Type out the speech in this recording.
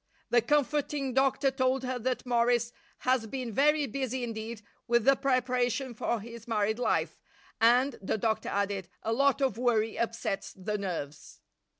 The comforting doctor told her that Morris has been very busy indeed with the preparation for his married life and, the doctor added, a lot of worry upsets the nerves.